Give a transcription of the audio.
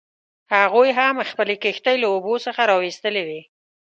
هغوی هم خپلې کښتۍ له اوبو څخه راویستلې وې.